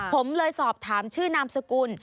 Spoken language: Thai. ผมเลยสอบถามชื่อนามสกุล